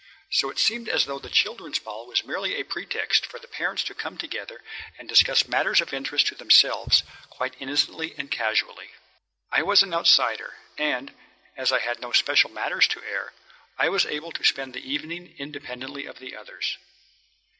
So it seemed as though the children's ball was merely a pretext for the parents to come together and discuss matters of interest to themselves, quite innocently and casually. I was an outsider, and, as I had no special matters to air, I was able to spend the evening independently of the others.